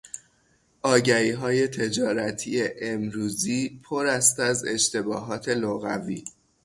آگهیهای تجارتی امروزی پر است از اشتباهات لغوی.